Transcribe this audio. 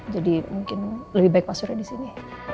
jadi mungkin lebih baik pak surya di sini